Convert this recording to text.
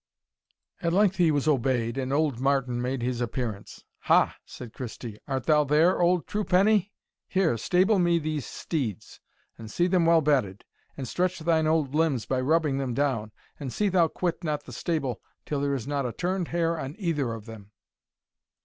At length he was obeyed, and old Martin made his appearance. "Ha!" said Christie, "art thou there, old Truepenny? here, stable me these steeds, and see them well bedded, and stretch thine old limbs by rubbing them down; and see thou quit not the stable till there is not a turned hair on either of them."